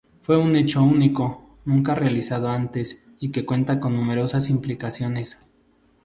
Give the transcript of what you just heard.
Fue un hecho único, nunca realizado antes y que cuenta con numerosas implicaciones.